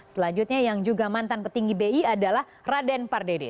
selanjutnya yang juga mantan petinggi bi adalah raden pardede